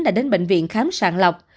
đã đến bệnh viện khám sạn lọc